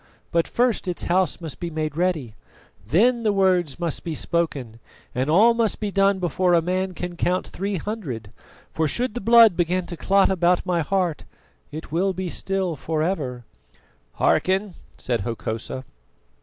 But first its house must be made ready. Then the words must be spoken, and all must be done before a man can count three hundred; for should the blood begin to clot about my heart, it will be still for ever." "Hearken," said Hokosa.